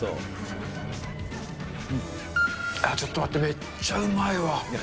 ちょっと待って、めっちゃうまいわ。